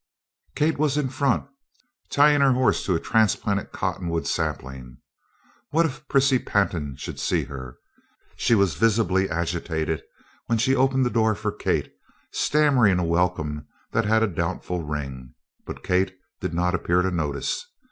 Kate was in front, tying her horse to a transplanted cottonwood sapling. What if Prissy Pantin should see her! She was visibly agitated, when she opened the door for Kate stammering a welcome that had a doubtful ring, but Kate did not appear to notice.